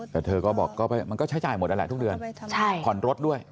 แต่เธอก็บอกมันก็ใช้จ่ายหมดนั่นแหละทุกเดือนผ่อนรถด้วย